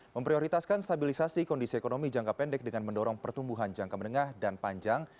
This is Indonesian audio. memprioritaskan stabilisasi kondisi ekonomi jangka pendek dengan mendorong pertumbuhan jangka menengah dan panjang